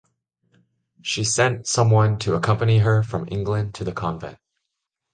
She sent someone to accompany her from England to the convent.